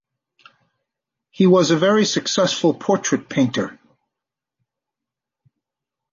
He was a very successful portrait painter.